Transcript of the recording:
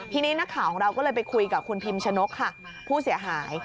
ทีนี้นักข่าวของเราก็เลยไปคุยกับคุณพิมชนกค่ะผู้เสียหาย